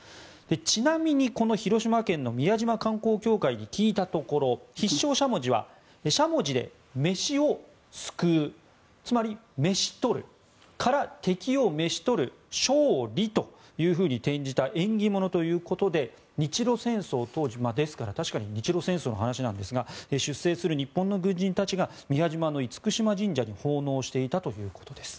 ちなみにこの広島県の宮島観光協会に聞いたところ、必勝しゃもじはしゃもじで飯をすくうつまり、飯取るから敵を召し取る勝利というふうに転じた縁起物ということで日露戦争ですから、確かに日露戦争の話ですが出征する日本の軍人たちが厳島神社に奉納していたということです。